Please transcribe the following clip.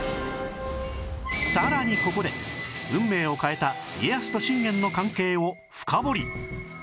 さらにここで運命を変えた家康と信玄の関係を深掘り！